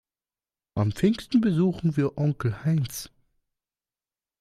An Pfingsten besuchen wir Onkel Heinz.